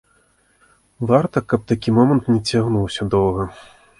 Варта, каб такі момант не цягнуўся доўга.